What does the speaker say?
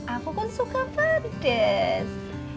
aku kan suka pedes